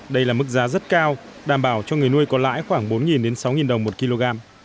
đây là mức giá rất cao đảm bảo cho người nuôi có lãi khoảng bốn sáu đồng một kg